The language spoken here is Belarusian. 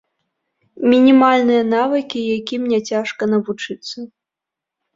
Мінімальныя навыкі, якім няцяжка навучыцца.